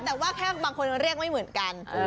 แต่ว่าแค่บางคนเรียกไม่เหมือนกัน